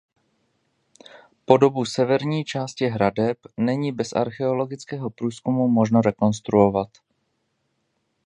Podobu severní části hradeb není bez archeologického průzkumu možno rekonstruovat.